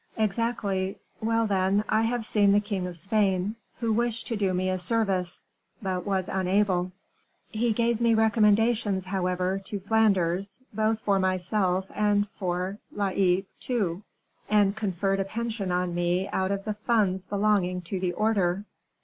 "Exactly. Well, then, I have seen the king of Spain, who wished to do me a service, but was unable. He gave me recommendations, however, to Flanders, both for myself and for Laicques too; and conferred a pension on me out of the funds belonging to the order."